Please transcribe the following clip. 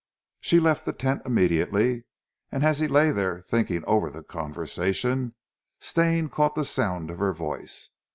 She left the tent immediately, and as he lay there thinking over the conversation, Stane caught the sound of her voice.